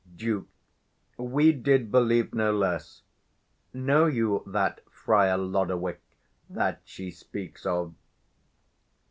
Duke. We did believe no less. Know you that Friar Lodowick that she speaks of?